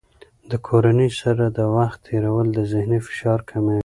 د کورنۍ سره د وخت تېرول د ذهني فشار کموي.